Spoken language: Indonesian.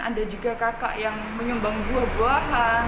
ada juga kakak yang menyumbang buah buahan